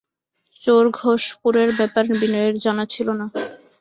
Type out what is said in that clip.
চর-ঘোষপুরের ব্যাপার বিনয়ের জানা ছিল না।